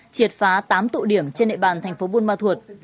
triệt phá tám tụ điểm trên địa bàn thành phố buôn ma thuột